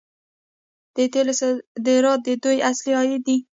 د تیلو صادرات د دوی اصلي عاید دی.